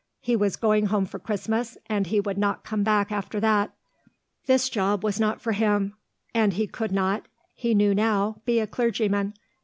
He was going home for Christmas, and he would not come back after that. This job was not for him. And he could not, he knew now, be a clergyman.